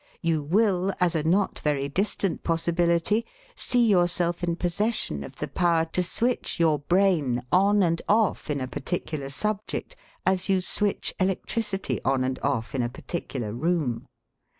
You will, as a not very distant possibility, see yourself in possession of the power to switch your brain on and off in a particular subject as you switch electricity on and off in a particular room.